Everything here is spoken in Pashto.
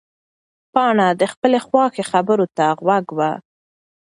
پاڼه د خپلې خواښې خبرو ته غوږ وه.